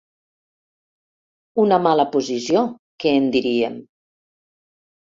Una mala posició, que en diríem.